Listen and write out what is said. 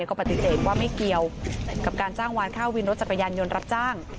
ก็ปฏิเสธว่าไม่เกี่ยวกับการจ้างวานค่าวินรถจักรยานยนต์รับจ้าง